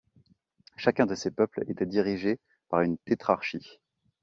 Chacun de ces peuples était dirigé par une tétrarchie.